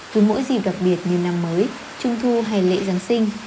cứ mỗi dịp đặc biệt như năm mới trung thu hay lễ giáng sinh